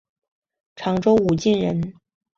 常州武进人。